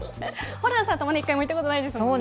ホランさんとも一回も行ったことないですもんね。